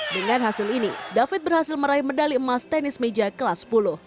dengan hasil ini david berhasil meraih medali emas tenis meja kelas sepuluh